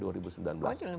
oh sudah lumayan